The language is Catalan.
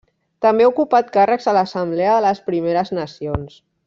També ha ocupat càrrecs a l’Assemblea de les Primeres Nacions.